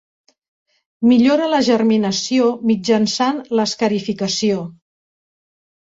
Millora la germinació mitjançant l'escarificació.